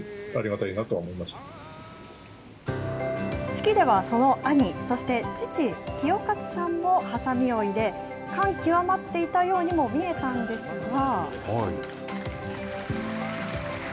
式ではその兄、そして父、清克さんもはさみを入れ、感極まっていたようにも見えたんですが。